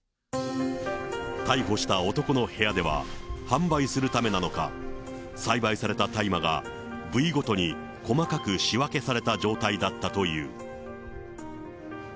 逮捕した男の部屋では、販売するためなのか、栽培された大麻が部位ごとに細かく仕分けされた状態だったという。